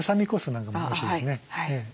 何でもおいしいですね。